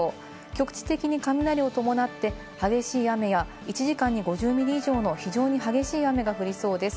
局地的に雷を伴って激しい雨や、１時間に５０ミリ以上の非常に激しい雨が降りそうです。